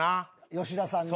吉田さんに？